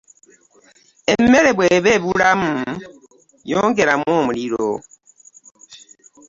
Emmere bw'eba ebulamu yongeramu muliro.